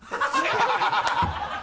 ハハハ